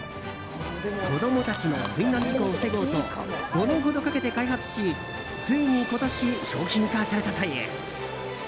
子供たちの水難事故を防ごうと５年ほどかけて開発しついに今年、商品化されたという。